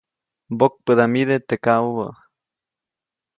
Mbokpäʼdamide teʼ kaʼubä.